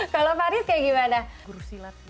kalau fariz kayak gimana